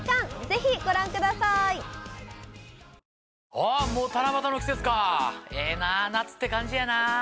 あっもう七夕の季節かええな夏って感じやなぁ。